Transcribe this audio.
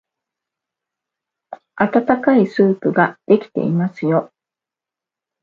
あたたかいスープができていますよ。